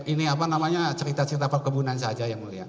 ini cerita cerita perkebunan saja yang mulia